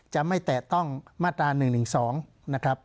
จะไม่แตะต้องมาตรา๑๑๒นะครับ